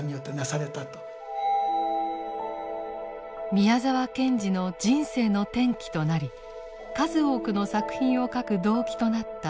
宮沢賢治の人生の転機となり数多くの作品を書く動機となった「法華経」。